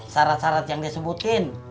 sarat sarat yang disebutin